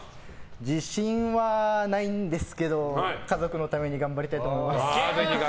自信はないんですけど家族のために頑張りたいと思います。